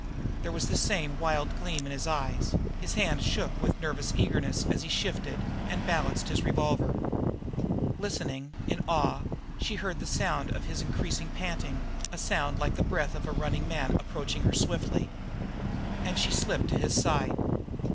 There was the same wild gleam in his eyes; his hand shook with nervous eagerness as he shifted and balanced his revolver. Listening, in her awe, she heard the sound of his increasing panting; a sound like the breath of a running man approaching her swiftly. She slipped to his side.